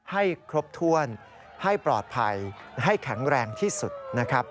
ให้ครบถ้วนให้ปลอดภัยให้แข็งแรงที่สุดนะครับ